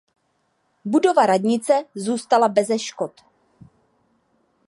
Budova radnice zůstala beze škod.